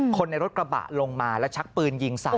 คนในรถกระบะลงมาแล้วชักปืนยิงใส่